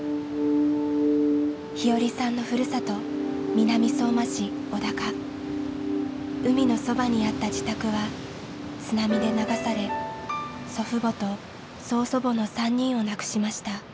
日和さんのふるさと海のそばにあった自宅は津波で流され祖父母と曽祖母の３人を亡くしました。